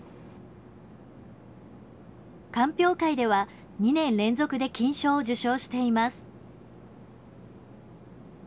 鑑評会では２年連続で金賞を受賞しています。